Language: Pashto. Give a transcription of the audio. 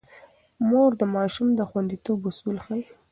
مور د ماشوم د خونديتوب اصول ښيي.